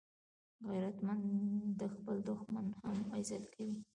غیرتمند د خپل دښمن هم عزت کوي